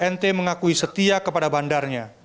nt mengakui setia kepada bandarnya